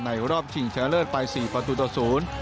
ในรอบชิงเช้าเลิศปลาย๔ประตูตะสุน